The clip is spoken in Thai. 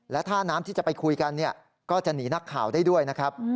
และท่าน้ำที่จะไปคุยกันก็จะหนีนักข่าวได้ด้วยนะครับ